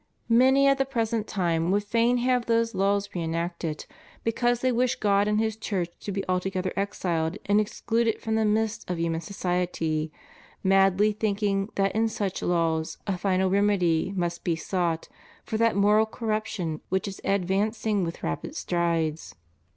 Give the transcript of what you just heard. Many at the present time would fain have those laws re enacted, because they wish God and His Church to be altogether exiled and excluded from the midst of human society, madly thinking that in such laws a final remedy must be sought for that moral corruption which is advancing with rapid strides.